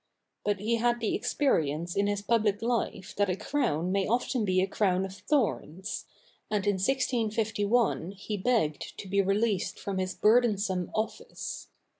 But he had the experience in his public life that a crown may often be a crown of thorns; and in 1651 he begged to be released from his burdensome office.